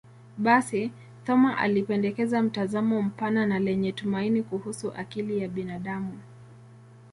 Basi, Thoma alipendekeza mtazamo mpana na lenye tumaini kuhusu akili ya binadamu.